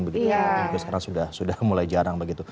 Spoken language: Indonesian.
sekarang sudah mulai jarang begitu